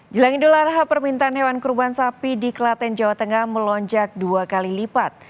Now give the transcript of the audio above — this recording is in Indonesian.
jelangin dolar permintaan hewan kurban sapi di kelaten jawa tengah melonjak dua kali lipat